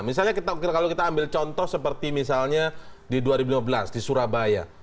misalnya kalau kita ambil contoh seperti misalnya di dua ribu lima belas di surabaya